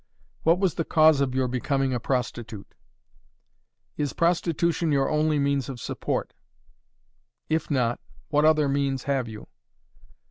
"What was the cause of your becoming a prostitute? "Is prostitution your only means of support? "If not, what other means have you?